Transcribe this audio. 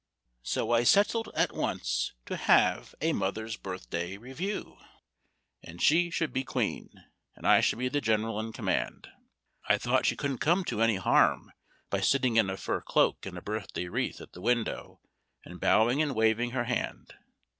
So I settled at once to have a Mother's Birthday Review; and that she should be Queen, and I should be the General in command. I thought she couldn't come to any harm by sitting in a fur cloak and a birthday wreath at the window, and bowing and waving her hand.